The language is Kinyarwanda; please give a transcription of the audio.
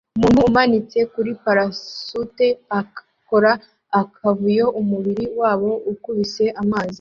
Umuntu umanitse kuri parasute akora akavuyo umubiri wabo ukubise amazi